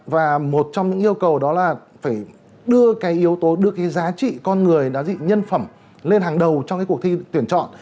và một trong những yêu cầu đó là phải đưa cái yếu tố đưa cái giá trị con người giá trị nhân phẩm lên hàng đầu trong cái cuộc thi tuyển chọn